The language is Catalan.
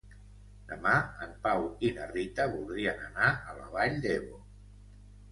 Demà en Pau i na Rita voldrien anar a la Vall d'Ebo.